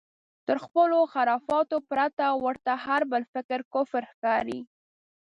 تر خپلو خرافاتو پرته ورته هر بل فکر کفر ښکاري.